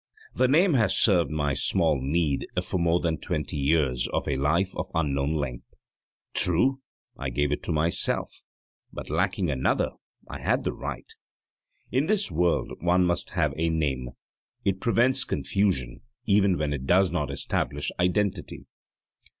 The name has served my small need for more than twenty years of a life of unknown length. True, I gave it to myself, but lacking another I had the right. In this world one must have a name; it prevents confusion, even when it does not establish identity.